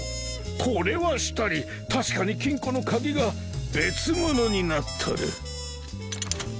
これはしたり確かに金庫の鍵が別物になっとる。